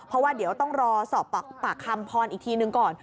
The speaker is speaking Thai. เพราะว่าเดี๋ยวต้องรอสอบปากคำพรอีกทีหนึ่งก่อน